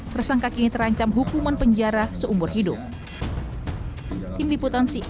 tersangka kini terancam hukuman penjara seumur hidup